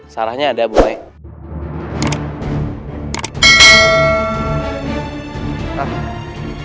sarahnya ada boleh